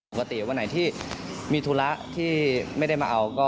ปกติวันไหนที่มีธุระที่ไม่ได้มาเอาก็